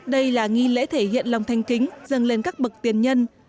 đây là nghi lễ thể hiện lòng thanh kính dâng lên các bậc tiền nhân